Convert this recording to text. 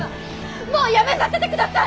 もうやめさせて下さい！